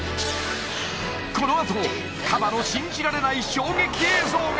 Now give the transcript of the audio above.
このあとカバの信じられない衝撃映像が！